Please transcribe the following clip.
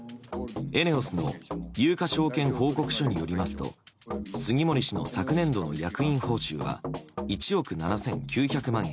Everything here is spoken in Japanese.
ＥＮＥＯＳの有価証券報告書によりますと杉森氏の昨年度の役員報酬は１億７９００万円。